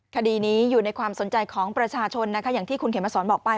คดีนี้อยู่ในความสนใจของประชาชนนะคะอย่างที่คุณเขมสอนบอกไป